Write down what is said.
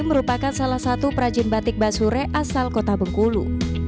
merupakan salah satu perajin batik basure asal kota bengkulu